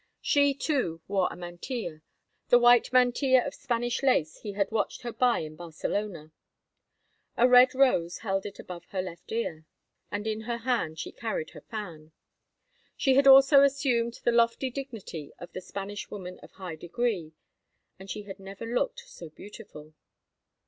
She, too, wore a mantilla, the white mantilla of Spanish lace he had watched her buy in Barcelona. A red rose held it above her left ear, and in her hand she carried her fan. She had also assumed the lofty dignity of the Spanish woman of high degree, and she had never looked so beautiful.